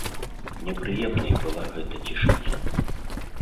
Непрыемнай была гэта цішыня.